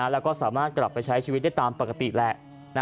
แล้วก็สามารถกลับไปใช้ชีวิตได้ตามปกติแหละ